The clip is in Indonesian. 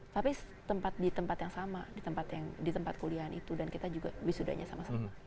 tapi di tempat yang sama di tempat kuliahan itu dan kita juga wisudanya sama sama